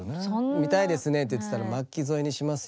「見たいですね」って言ってたら巻き添えにしますよ。